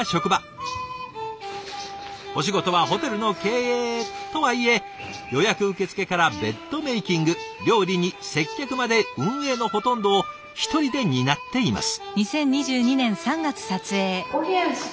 お仕事はホテルの経営とはいえ予約受け付けからベッドメイキング料理に接客まで運営のほとんどを１人で担っています。